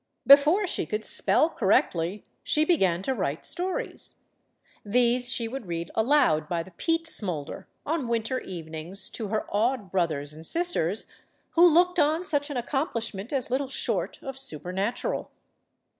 Before she could spell cor rectly, she began to write stories. These she would 206 STORIES OF THE SUPER WOMEN read aloud by the peat smolder, on winter evenings, to her awed brothers and sisters, who looked on such an accomplishment as little short of super natural.